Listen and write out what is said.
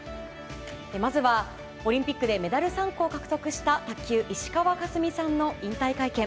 まずは、オリンピックでメダル３個を獲得した卓球、石川佳純さんの引退会見。